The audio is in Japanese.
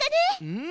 うん。